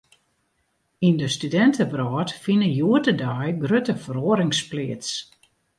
Yn de studintewrâld fine hjoed-de-dei grutte feroarings pleats.